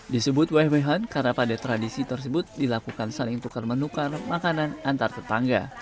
disebut weh wehan karena pada tradisi tersebut dilakukan saling tukar menukar makanan antar tetangga